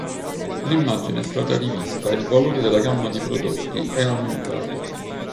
L'immagine è stata rivista e il valore della gamma di prodotti è aumentato.